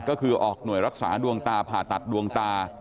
ก็คือออกหน่วยรักษาดวงตาผ่าตัดดวงตา